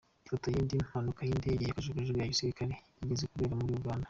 Ifoto y’indi mpanuka y’indege ya Kajugujugu ya Gisirikare yigeze kubera muri Uganda.